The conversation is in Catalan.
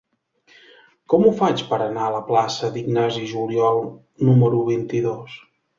Com ho faig per anar a la plaça d'Ignasi Juliol número vint-i-dos?